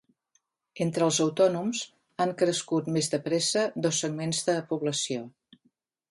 Entre els autònoms, han crescut més de pressa dos segments de població.